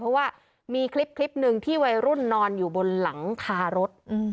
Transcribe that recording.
เพราะว่ามีคลิปหนึ่งที่วัยรุ่นนอนอยู่บนหลังคารถ